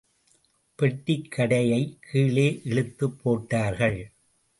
பெட்டிக்கடையை, கீழே இழுத்துப் போட்டார்கள்.